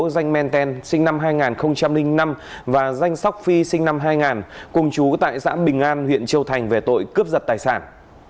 danh men ten sinh năm hai nghìn năm và danh sóc phi sinh năm hai nghìn cùng chú tại xã bình an huyện châu thành về tội cướp giật tài sản